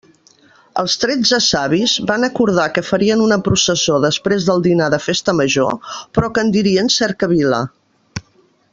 Els tretze savis van acordar que farien una processó després del dinar de festa major, però que en dirien cercavila.